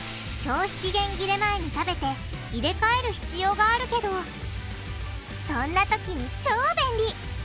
消費期限切れ前に食べて入れかえる必要があるけどそんなときに超便利！